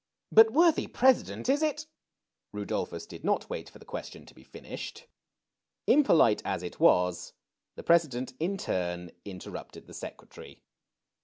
" But, worthy President, is it "— Rudolphus did not wait for the question to be finished. Impolite as it was, the President in turn interrupted the Secretary.